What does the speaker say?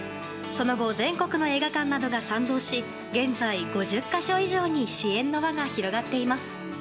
その後全国の映画館などが賛同し現在、５０か所以上に支援の輪が広がっています。